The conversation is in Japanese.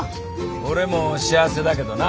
俺も幸せだけどな。